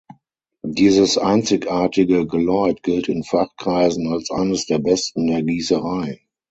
Dieses einzigartige Geläut gilt in Fachkreisen als eines der Besten der Gießerei.